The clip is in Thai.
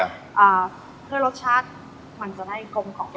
เพื่อรสชาติมันจะได้ก้มก่อน